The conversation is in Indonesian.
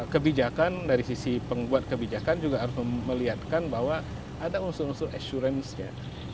kebijakan dari sisi pembuat kebijakan juga harus melihatkan bahwa ada unsur unsur assurance nya